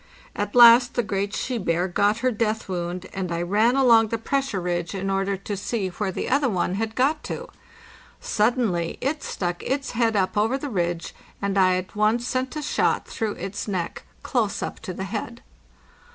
At last the great she bear got her death wound, and I ran along the pressure ridge in order JANUARY 1 TO MAY 17, 1896 677 to see where the other one had got to. Suddenly it stuck its head up over the ridge, and I at once sent a shot through its neck close up tothe head.